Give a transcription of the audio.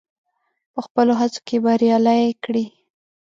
په خپلو هڅو کې بريالی کړي.